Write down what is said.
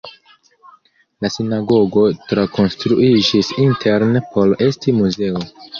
La sinagogo trakonstruiĝis interne por esti muzeo.